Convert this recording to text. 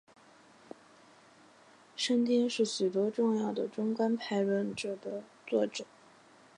圣天是许多重要的中观派论着的作者。